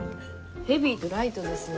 ヘビーとライトですよ。